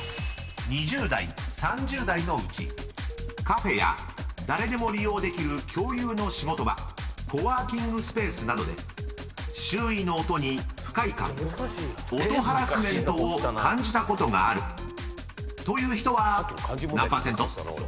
［２０代３０代のうちカフェや誰でも利用できる共有の仕事場コワーキングスペースなどで周囲の音に不快感音ハラスメントを感じたことがあるという人は何％？］